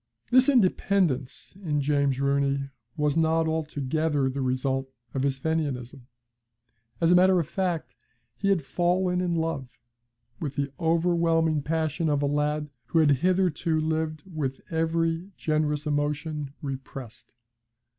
This independence in James Rooney was not altogether the result of his Fenianism. As a matter of fact, he had fallen in love, with the overwhelming passion of a lad who had hitherto lived with every generous emotion repressed.